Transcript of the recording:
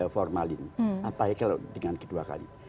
formalin apalagi kalau dengan kedua kali